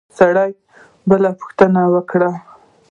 سړي بله پوښتنه وکړه.